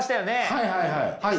はいはいはい。